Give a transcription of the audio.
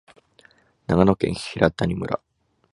長野県平谷村